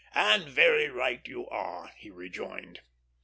"And very right you are," he rejoined.